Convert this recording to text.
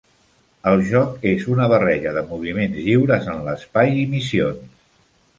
El joc és una barreja de moviments lliures en l'espai i missions.